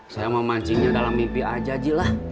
saya mau mancingnya dalam mimpi aja jilah